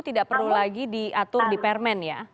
tidak perlu lagi diatur di permen ya